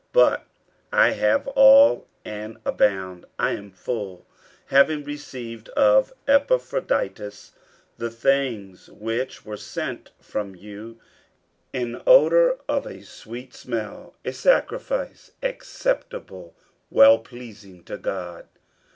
50:004:018 But I have all, and abound: I am full, having received of Epaphroditus the things which were sent from you, an odour of a sweet smell, a sacrifice acceptable, wellpleasing to God.